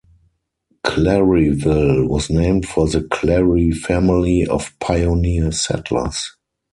Claryville was named for the Clary family of pioneer settlers.